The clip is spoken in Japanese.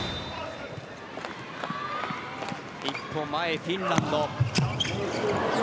一歩前、フィンランド。